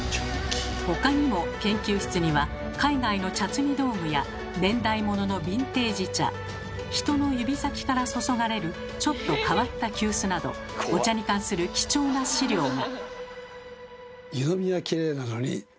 他にも研究室には海外の茶摘み道具や年代物のビンテージ茶人の指先から注がれるちょっと変わった急須などお茶に関する貴重な資料が。